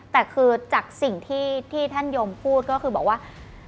แต่คือจากสิ่งที่ท่านยมพูดก็คือบอกว่า